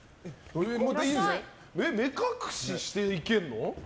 目隠ししていけるの？